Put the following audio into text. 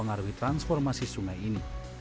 yang pengaruhi transformasi sungai ini